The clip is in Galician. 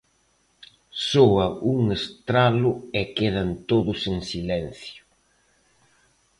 Soa un estralo e quedan todos en silencio.